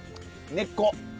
根っこ。